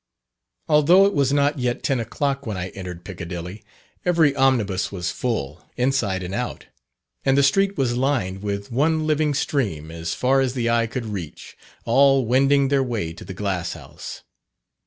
Although it was not yet 10 o'clock when I entered Piccadilly, every omnibus was full, inside and out, and the street was lined with one living stream, as far as the eye could reach, all wending their way to the "Glass House."